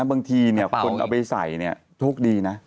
บางทีคนเอาไปใส่โชคดีนะ